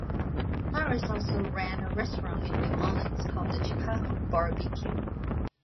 Mares also ran a restaurant in New Orleans called "The Chicago Bar-B-Q".